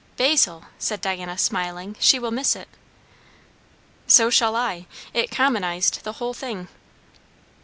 "Basil!" said Diana, smiling, "she will miss it." "So shall I. It commonized the whole thing."